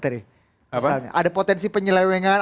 ada potensi penyelewengan